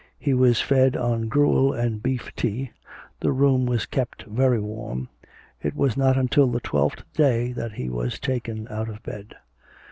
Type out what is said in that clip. He was fed on gruel and beef tea, the room was kept very warm; it was not until the twelfth day that he was taken out of bed.